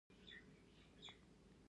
که انسان ته دنده ورپیدا نه شي.